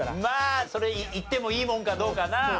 まあそれいってもいいもんかどうかな。